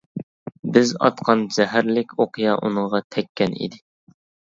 بىز ئاتقان زەھەرلىك ئوقيا ئۇنىڭغا تەگكەن ئىدى.